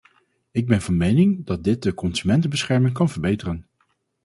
Ik ben van mening dat dit de consumentenbescherming kan verbeteren.